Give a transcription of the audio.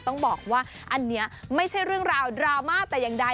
ต้องบอกว่าอันนี้ไม่ใช่เรื่องราวดราม่าแต่อย่างใด